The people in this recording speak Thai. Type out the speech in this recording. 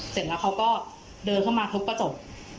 เสร็จแล้วเขาก็เดินเข้ามาทุบกระจก